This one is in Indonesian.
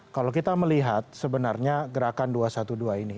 kalau kita melihat sebenarnya gerakan dua ratus dua belas ini